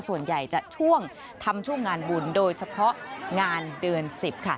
ส่วนใหญ่จะช่วงทำช่วงงานบุญโดยเฉพาะงานเดือน๑๐ค่ะ